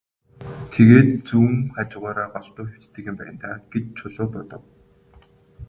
Тэгээд зүүн хажуугаараа голдуу хэвтдэг юм байна даа гэж Чулуун бодов.